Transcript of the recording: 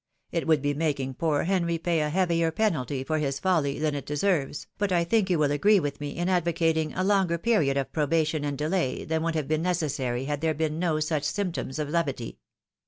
It would be making poor Henry pay a heavier penalty for Ms folly than it deserves, but I think you will agree with me in advocating a longer period of probation and delay than would have been necessary had there been no such symptoms of levity.